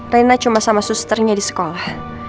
reina cuma sama susternya di sekolah